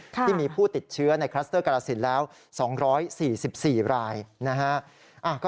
ที่มีผู้ติดเชื้อในคลัสเตอร์กรสินแล้ว๒๔๔รายนะฮะ